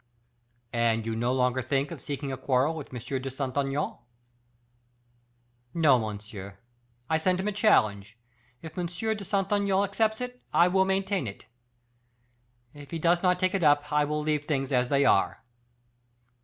"And you no longer think of seeking a quarrel with M. de Saint Aignan?" "No, monsieur; I sent him a challenge: if M. de Saint Aignan accepts it, I will maintain it; if he does not take it up, I will leave things as they are."